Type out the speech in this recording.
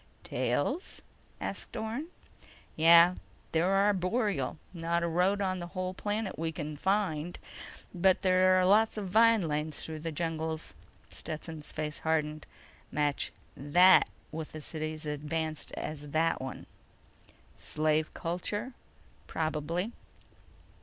"Tails?" asked Orne. "Yeah. They're arboreal. Not a road on the whole planet that we can find. But there are lots of vine lanes through the jungles." Stetson's face hardened. "Match that with a city as advanced as that one." "Slave culture?" "Probably."